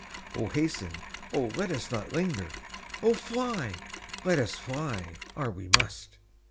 Oh, hasten! oh, let us not linger! Oh, fly, let us fly, are we must!"